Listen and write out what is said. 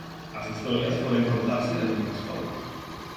As historias poden contarse de moitas formas.